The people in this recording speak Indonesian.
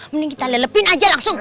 mending kita lelepin aja langsung